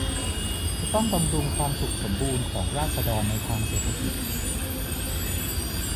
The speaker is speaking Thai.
จะต้องบำรุงความสุขสมบูรณ์ของราษฎรในทางเศรษฐกิจ